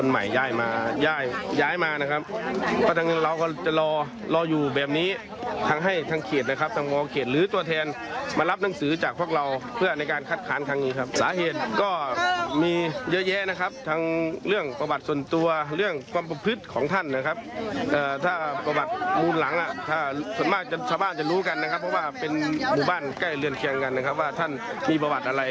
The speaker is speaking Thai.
หมู่บ้านใกล้เลือนเคียงกันนะครับว่าท่านมีประวัติอะไรเยอะแยะนะครับ